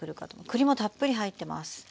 栗もたっぷり入ってます。